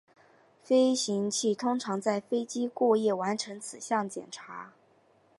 飞行器通常在机场过夜完成此项检查。